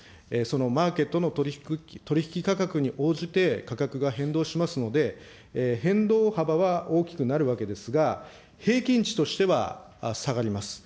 マーケットの取り引き価格に応じて、価格が変動しますので、変動幅は大きくなるわけですが、平均値としては下がります。